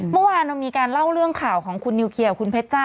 เมื่อวานเรามีการเล่าเรื่องข่าวของคุณนิวเคลียร์คุณเพชรจ้า